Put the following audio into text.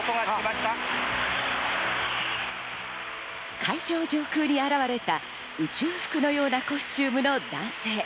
会場上空に現れた宇宙服のようなコスチュームの男性。